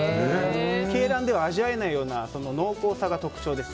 鶏卵では味わえないような濃厚さが特徴です。